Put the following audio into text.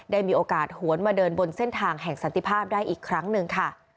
ได้มีโอกาสหวนมาเดินบนเส้นทางแห่งสันติภาพได้อีกครั้งหนึ่งค่ะ